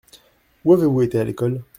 Où avez-vous été à l’école ?